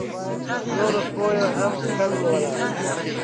نورو سپيو هم پښه ونيوله.